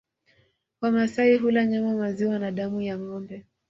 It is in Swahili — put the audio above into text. Wamasai hula nyama maziwa na damu ya ngombe